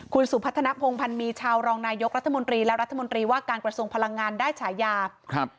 คุณสุภัทนพงษ์พันมีชาวรองนายยกรัฐมนตรีแล้วรัฐมนตรีว่าการประสงค์พลังงานได้ฉายาว่า